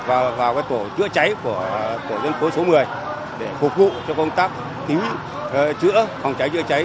và vào tổ chữa cháy của tổ dân phố số một mươi để phục vụ cho công tác cứu chữa phòng cháy chữa cháy